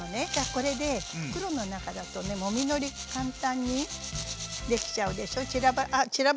これで袋の中だとねもみのり簡単にできちゃうでしょ？